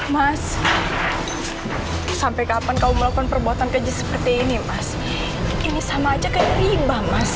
mas sampai kapan kau melakukan perbuatan keji seperti ini mas ini sama aja kayak rimba mas